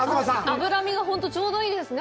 脂身がほんとちょうどいいですね